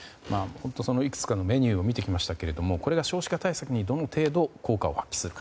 いくつかのメニューを見てきましたけれどもこれが少子化対策にどの程度効果を発揮するか。